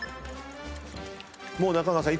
もう中川さん